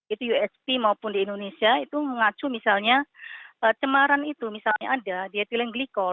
itu usp maupun di indonesia itu mengacu misalnya cemaran itu misalnya ada di ethylene glycol